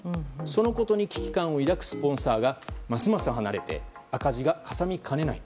そのことに危機感を抱くスポンサーがますます離れて赤字がかさみかねない。